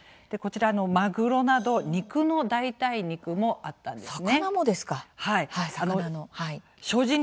マグロなど肉の代替肉もあったんですね。